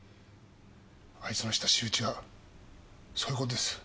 あいつのした仕打ちはそういう事です。